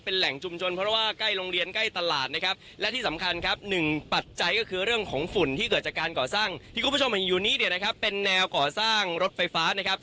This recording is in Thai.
แหล่งชุมชนเพราะว่าใกล้โรงเรียนใกล้ตลาดนะครับและที่สำคัญครับหนึ่งปัจจัยก็คือเรื่องของฝุ่นที่เกิดจากการก่อสร้างที่คุณผู้ชมเห็นอยู่นี้เนี่ยนะครับเป็นแนวก่อสร้างรถไฟฟ้านะครับ